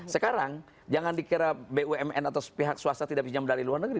sekarang jangan dikira bumn atau pihak swasta tidak pinjam dari luar negeri